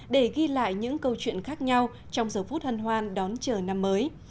để ghi lại những câu chuyện khác nhau trong giờ phút hân hoan đón chờ năm mới